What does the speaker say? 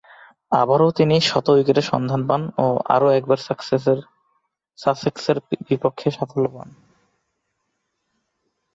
আবারও তিনি শত উইকেটের সন্ধান পান ও আরও একবার সাসেক্সের বিপক্ষে সাফল্য পান।